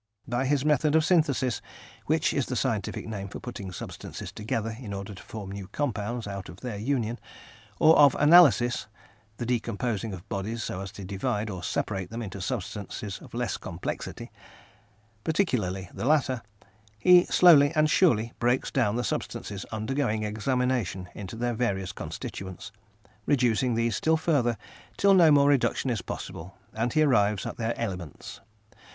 By his method of synthesis (which is the scientific name for putting substances together in order to form new compounds out of their union) or of analysis (the decomposing of bodies so as to divide or separate them into substances of less complexity), particularly the latter, he slowly and surely breaks down the substances undergoing examination into their various constituents, reducing these still further till no more reduction is possible, and he arrives at their elements.